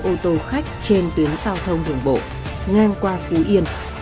họ đi ô tô khách trên tuyến giao thông đường bộ ngang qua phú yên